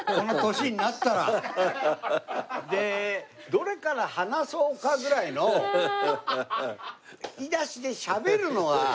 どれから話そうかぐらいの引き出しでしゃべるのは。